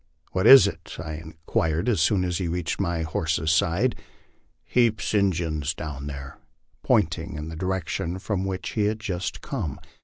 " What is it? " I inquired as soon as he reached my horse's side. " Heaps Injuns down there, 1 ' pointing in the direction from which he had just come.